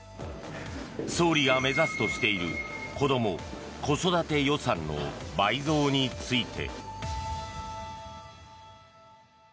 総理が目指すとしている子ども・子育て予算の倍増について。